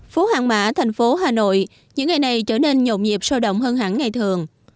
phố hàng mã thành phố hà nội những ngày này trở nên nhộn nhịp sôi động hơn hẳn ngày thường